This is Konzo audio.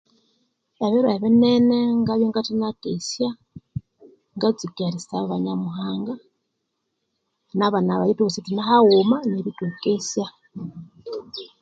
Ebiro ebinene ngabya ngathenakesya ngatsuka erisaba Nyamuhanga nabana bayi ithwebosi ithune haghuma neryo ithwakesya.